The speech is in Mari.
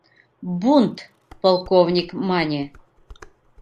Бунт?! — полковник мане.